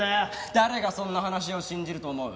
誰がそんな話を信じると思う？